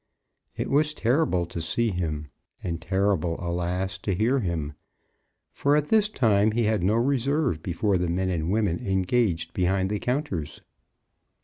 It was terrible to see him, and terrible, alas, to hear him; for at this time he had no reserve before the men and women engaged behind the counters.